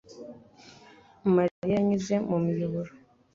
mariya yanyuze mu miyoboro